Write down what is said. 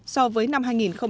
so với năm hai nghìn một mươi sáu